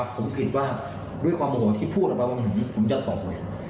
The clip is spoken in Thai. ผมผิดว่าด้วยความโอโหที่พูดผมจะตกเลย